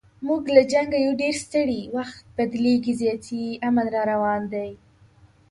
موږ له جنګه یو ډېر ستړي، وخت بدلیږي زیاتي امن را روان دی